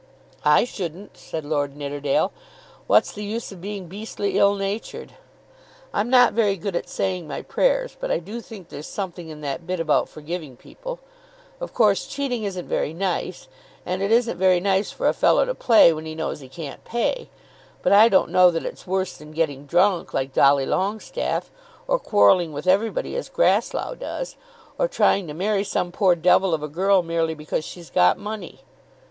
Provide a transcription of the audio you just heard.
"I shouldn't," said Lord Nidderdale. "What's the use of being beastly ill natured? I'm not very good at saying my prayers, but I do think there's something in that bit about forgiving people. Of course cheating isn't very nice: and it isn't very nice for a fellow to play when he knows he can't pay; but I don't know that it's worse than getting drunk like Dolly Longestaffe, or quarrelling with everybody as Grasslough does, or trying to marry some poor devil of a girl merely because she's got money.